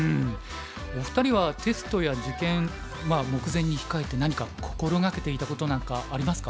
お二人はテストや受験まあ目前に控えて何か心がけていたことなんかありますか？